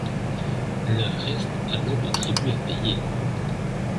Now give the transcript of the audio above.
Leur reste alors le tribut à payer.”